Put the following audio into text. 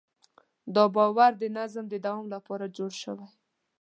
دا باور د نظم د دوام لپاره جوړ شوی.